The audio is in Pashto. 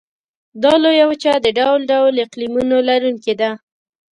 دا لویه وچه د ډول ډول اقلیمونو لرونکې ده.